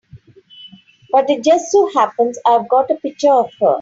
But it just so happens I've got a picture of her.